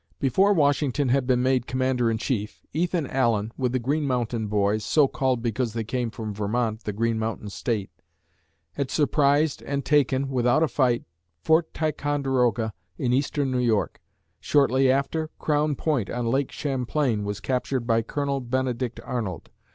Before Washington had been made Commander in Chief, Ethan Allen, with the "Green Mountain Boys" (so called because they came from Vermont, the "Green Mountain State"), had surprised and taken, without a fight, Fort Ticonderoga in eastern New York. Shortly after, Crown Point on Lake Champlain was captured by Colonel Benedict Arnold.